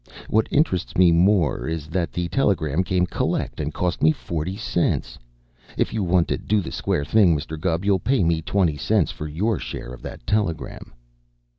What interests me more is that the telegram came collect and cost me forty cents. If you want to do the square thing, Mr. Gubb, you'll pay me twenty cents for your share of that telegram."